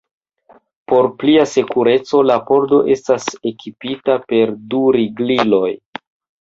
Por plia sekureco, la pordo estas ekipita per du rigliloj.